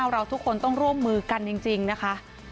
เราทุกคนต้องร่วมมือกันจริงนะคะ